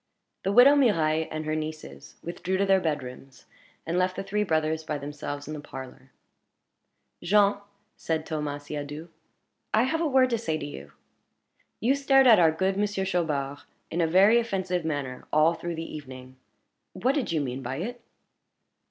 The widow Mirailhe and her nieces withdrew to their bedrooms, and left the three brothers by themselves in the parlor. "Jean," said Thomas Siadoux, "I have a word to say to you. You stared at our good Monsieur Chaubard in a very offensive manner all through the evening. What did you mean by it?"